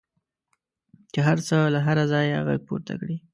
چې هر څه له هره ځایه غږ پورته کړي.